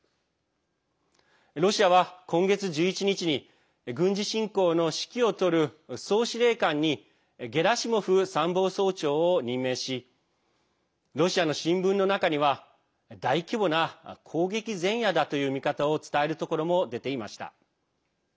ロシアは今月１１日に軍事侵攻の指揮を執る総司令官にゲラシモフ参謀総長を任命しロシアの新聞の中には大規模な攻撃前夜だという見方を伝えるところも出ていました。